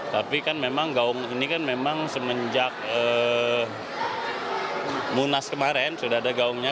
tapi kan memang gaung ini kan memang semenjak munas kemarin sudah ada gaungnya